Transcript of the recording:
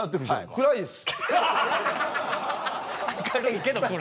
暗いです。